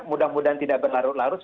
mudah mudahan tidak berlarut larut